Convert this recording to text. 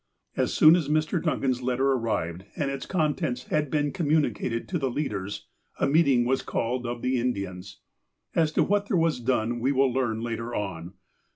As soon as Mr. Duncan's letter arrived, and its con tents had been communicated to the leaders, a meeting was called of the Indians. As to what there was done, we will learn later on.